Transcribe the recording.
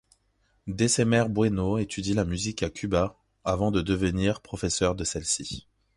Descemer Bueno étudie la musique à Cuba avant de devenir professeur de celle-ci.